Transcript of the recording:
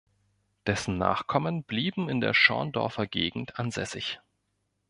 Dessen Nachkommen blieben in der Schorndorfer Gegend ansässig.